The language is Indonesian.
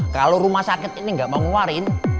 kalau rumah sakit ini nggak mau ngeluarin